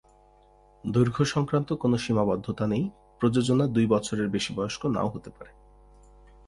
দৈর্ঘ্য সংক্রান্ত কোন সীমাবদ্ধতা নেই; প্রযোজনা দুই বছরের বেশি বয়স্ক নাও হতে পারে।